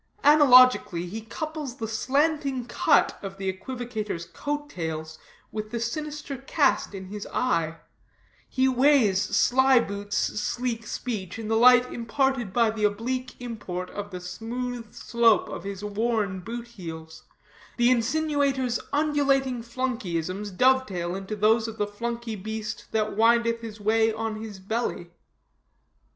Analogically, he couples the slanting cut of the equivocator's coat tails with the sinister cast in his eye; he weighs slyboot's sleek speech in the light imparted by the oblique import of the smooth slope of his worn boot heels; the insinuator's undulating flunkyisms dovetail into those of the flunky beast that windeth his way on his belly.